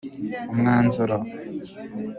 Umwanzuro